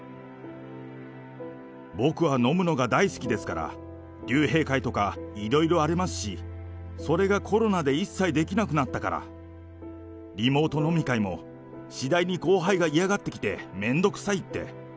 僕は飲むのが大好きですから、竜兵会とか、いろいろありますし、それがコロナで一切できなくなったから、リモート飲み会も次第に後輩が嫌がってきて、めんどくさいって。